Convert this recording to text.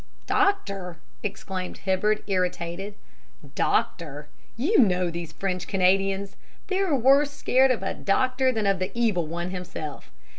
"Doctor!" exclaimed Hibbard, irritated. "Doctor! You know these French Canadians. They're worse scared of a doctor than of the evil one himself.